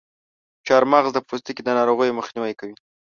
چارمغز د پوستکي د ناروغیو مخنیوی کوي.